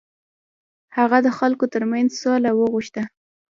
هغه د خلکو تر منځ سوله وغوښته.